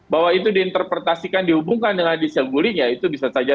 bahwa itu diinterpretasikan dihubungkan dengan disiap bullying ya itu bisa saja